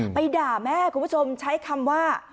ด่าแม่คุณผู้ชมใช้คำว่า